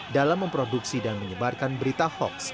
dalam memproduksi dan menyebarkan berita hoax